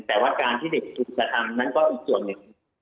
แต่ว่าการที่เด็กถูกกระทำนั้นก็อีกส่วนหนึ่ง